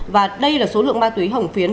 và đây là số lượng ma túy hồng phiến